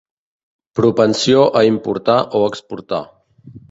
Propensió a importar o exportar.